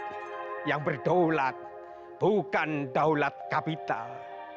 dan rakyat yang berdaulat bukan daulat kapital